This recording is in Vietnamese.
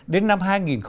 đến năm hai nghìn ba mươi